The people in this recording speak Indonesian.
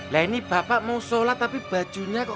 lah ini bapak mau sholat tapi bajunya kok